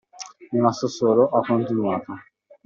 Rimasto solo, ho continuato.